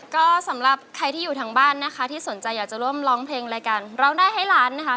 ก็สำหรับใครที่อยู่ทางบ้านนะคะที่สนใจอยากจะร่วมร้องเพลงรายการร้องได้ให้ล้านนะคะ